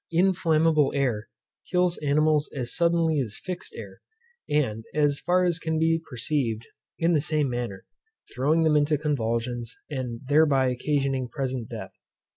Inflammable air kills animals as suddenly as fixed air, and, as far as can be perceived, in the same manner, throwing them into convulsions, and thereby occasioning present death.